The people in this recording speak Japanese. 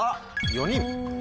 ４人。